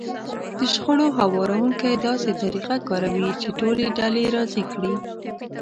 د شخړو هواروونکی داسې طريقه کاروي چې ټولې ډلې راضي کړي.